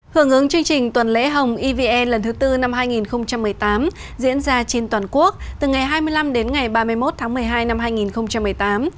hưởng ứng chương trình tuần lễ hồng evn lần thứ tư năm hai nghìn một mươi tám diễn ra trên toàn quốc từ ngày hai mươi năm đến ngày ba mươi một tháng một mươi hai năm hai nghìn một mươi tám